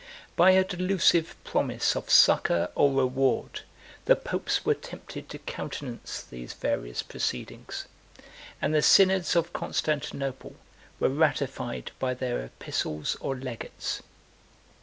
9 By a delusive promise of succor or reward, the popes were tempted to countenance these various proceedings; and the synods of Constantinople were ratified by their epistles or legates.